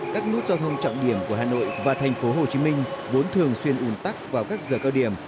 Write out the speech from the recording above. các nút giao thông trọng điểm của hà nội và thành phố hồ chí minh vốn thường xuyên ủn tắc vào các giờ cao điểm